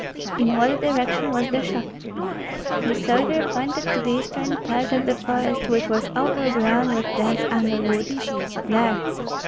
"In what direction was the shot?" The soldier pointed to the eastern part of the forest, which was overgrown with dense underwood. "There!"